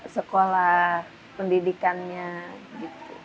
sekolah pendidikannya gitu